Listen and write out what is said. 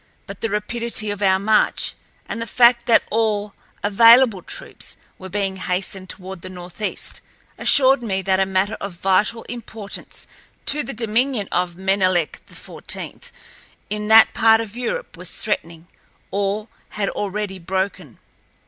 But the rapidity of our march and the fact that all available troops were being hastened toward the northeast assured me that a matter of vital importance to the dominion of Menelek XIV in that part of Europe was threatening or had already broken.